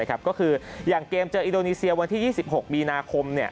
ก็คืออย่างเกมเจออินโดนีเซียวันที่๒๖มีนาคม